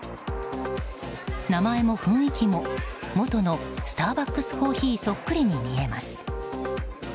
名前も雰囲気も元のスターバックスコーヒーそっくりに見えます。